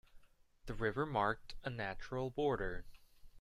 The river marked a natural border.